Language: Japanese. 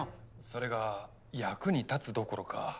それが役に立つどころか。